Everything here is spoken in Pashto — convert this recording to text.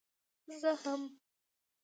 زه هم.